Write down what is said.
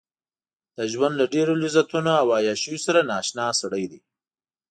د ژوند له ډېرو لذتونو او عياشيو سره نااشنا سړی دی.